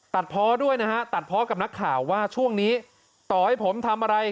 เพาะด้วยนะฮะตัดเพาะกับนักข่าวว่าช่วงนี้ต่อให้ผมทำอะไร